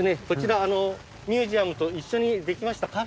こちらミュージアムと一緒に出来ました